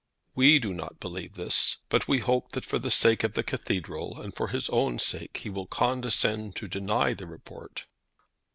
We do not believe this, but we hope that for the sake of the Cathedral and for his own sake, he will condescend to deny the report."